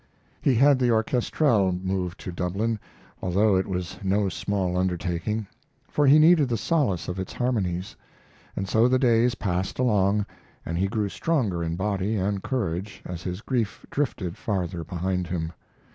He had the orchestrelle moved to Dublin, although it was no small undertaking, for he needed the solace of its harmonies; and so the days passed along, and he grew stronger in body and courage as his grief drifted farther behind him.